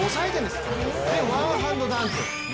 で、ワンハンドダンク。